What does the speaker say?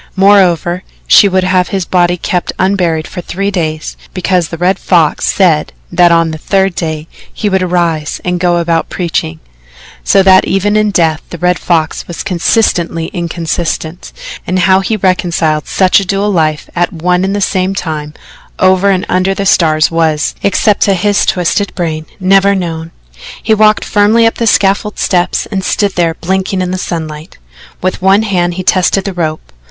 Moreover, she would have his body kept unburied for three days, because the Red Fox said that on the third day he would arise and go about preaching. So that even in death the Red Fox was consistently inconsistent, and how he reconciled such a dual life at one and the same time over and under the stars was, except to his twisted brain, never known. He walked firmly up the scaffold steps and stood there blinking in the sunlight. With one hand he tested the rope.